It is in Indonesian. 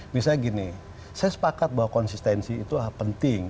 misalnya gini saya sepakat bahwa konsistensi itu penting